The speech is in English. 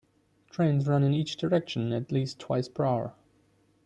Trains run in each direction at least twice per hour.